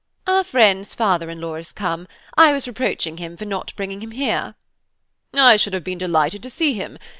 "Our friend's father in law is come; I was reproaching him for not bringing him here." "I should have been delighted to see him.